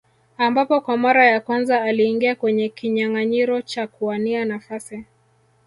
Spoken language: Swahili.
Ambapo kwa mara ya kwanza aliingia kwenye kinyanganyiro cha kuwania nafasi